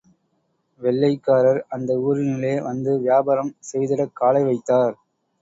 வெள்ளைக் காரர்அந்த ஊரினிலே வந்து வியாபாரம் செய்திடக் காலைவைத்தார்.